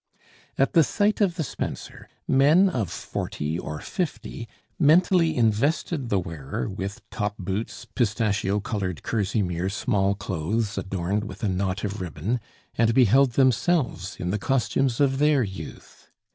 At the sight of the spencer, men of forty or fifty mentally invested the wearer with top boots, pistachio colored kerseymere small clothes adorned with a knot of ribbon; and beheld themselves in the costumes of their youth.